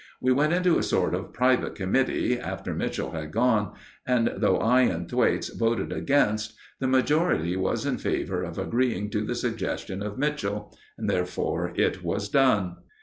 We went into a sort of private committee, after Mitchell had gone, and though I and Thwaites voted against, the majority was in favour of agreeing to the suggestion of Mitchell. Therefore it was done.